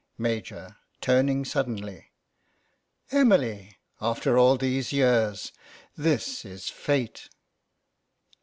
Major (turning suddenly) : Emily ! After all these years ! This is fate